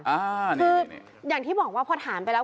อ่าคืออย่างที่บอกว่าพอถามไปแล้ว